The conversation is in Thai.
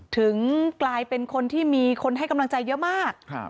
ถึงกลายเป็นคนที่มีคนให้กำลังใจเยอะมาก